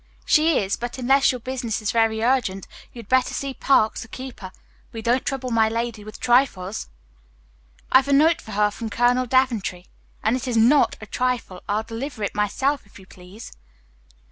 "She is, but unless your business is very urgent you had better see Parks, the keeper; we don't trouble my lady with trifles." "I've a note for her from Colonel Daventry; and as it is not a trifle, I'll deliver it myself, if you please."